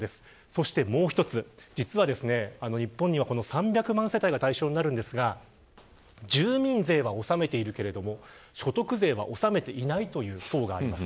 そしてもう１つ、実は日本には、３００万世帯が対象になりますが住民税は納めているけれど所得税は納めていないという層があります。